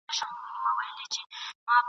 لېونوته په کار نه دي تعبیرونه !.